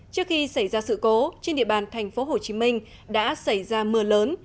trước khi xảy ra sự cố trên địa bàn thành phố hồ chí minh đã xảy ra mưa lớn